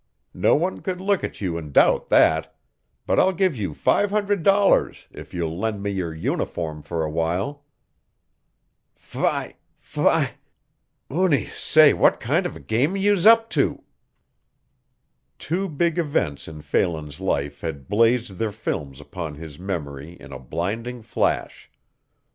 No one could look at you and doubt that but I'll give you five hundred dollars if you'll lend me your uniform for awhile." "Fi fi uni say, what kind of a game are youse up to?" Two big events in Phelan's life had blazed their films upon his memory in a blinding flash.